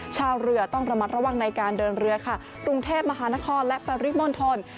ชาวเรือต้องระมัดระวังในการเดินเรือค่ะกรุงเทพมหานครและปริมณฑล